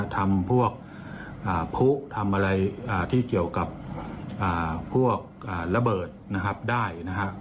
ทำพวกผู้ทำอะไรที่เกี่ยวกับพวกระเบิดได้